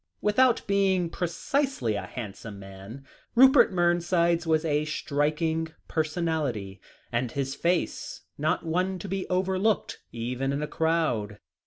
Without being precisely a handsome man, Rupert Mernside's was a striking personality, and his face not one to be overlooked, even in a crowd.